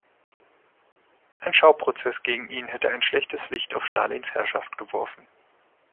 Ein Schauprozess gegen ihn hätte ein schlechtes Licht auf Stalins Herrschaft geworfen.